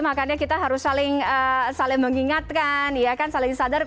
makanya kita harus saling mengingatkan saling sadar